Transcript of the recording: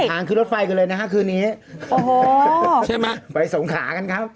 หางขึ้นรถไฟกันเลยนะฮะคืนนี้โอ้โหใช่ไหมไปสงขากันครับ